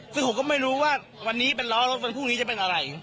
ซึ่งผมก็ไม่รู้ว่าวันนี้เป็นล้อรถวันพรุ่งนี้จะเป็นอะไร